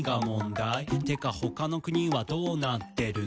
「てか他の国はどうなってるの？」